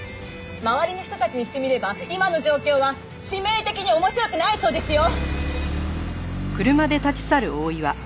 周りの人たちにしてみれば今の状況は致命的に面白くないそうですよ！